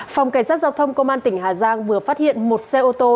phòng cảnh sát giao thông công an tỉnh hà giang vừa phát hiện một xe ô tô